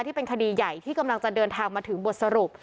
ที่เป็นคดีใหญ่ที่กำลังจะเดินทางมาถึงบทสรุป